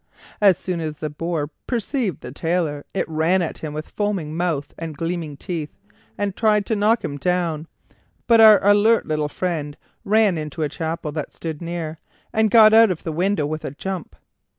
As soon as the boar perceived the Tailor it ran at him with foaming mouth and gleaming teeth, and tried to knock him down; but our alert little friend ran into a chapel that stood near, and got out of the window with a jump.